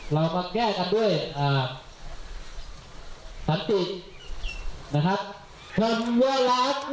เราก็แก้กันด้วยศัลจิตนะครับ